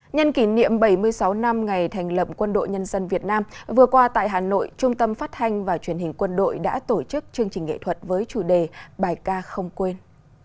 nhân kỷ niệm bảy mươi sáu năm ngày thành lập quân đội nhân dân việt nam vừa qua tại hà nội trung tâm phát thanh và truyền hình quân đội đã tổ chức chương trình nghệ thuật với chủ đề bài ca không quên